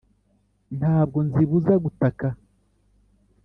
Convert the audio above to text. ntabwo nzibuza gutaka,